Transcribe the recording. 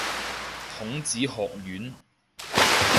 孔子學院